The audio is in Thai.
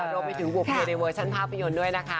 รวมไปถึงโอเคในเวอร์ชันภาพยนตร์ด้วยนะคะ